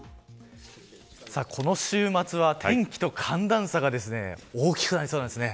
この週末は、天気と寒暖差が大きくなりそうです。